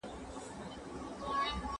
ستورو تا سي لا څه نور انتظار وکړی